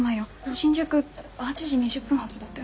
新宿８時２０分発だったよね？